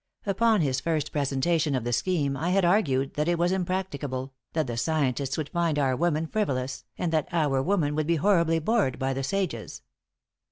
Upon his first presentation of the scheme I had argued that it was impracticable, that the scientists would find our women frivolous, and that our women would be horribly bored by the sages.